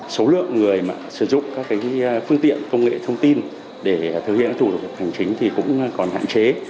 số lượng người sử dụng các phương tiện công nghệ thông tin để thực hiện các thủ tục hành chính thì cũng còn hạn chế